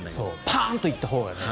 パンといったほうが。